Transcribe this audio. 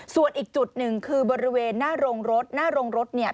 ส่วนอีกจุดหนึ่งคือบริเวณหน้าโรงรถหน้าโรงรถเนี่ย